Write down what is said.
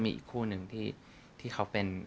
มีอีกคู่หนึ่งที่เขาเป็น